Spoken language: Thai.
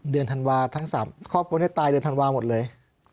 เดือนธันวาส์ทั้งสามครอบครัวที่ตายเดือนธันวาส์หมดเลยอ๋อ